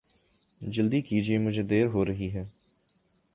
جلدی کیجئے مجھے دعر ہو رہی ہے